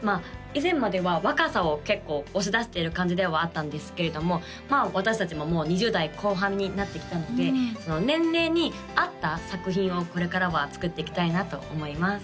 以前までは若さを結構押し出している感じではあったんですけれどもまあ私達ももう２０代後半になってきたのでその年齢に合った作品をこれからは作っていきたいなと思います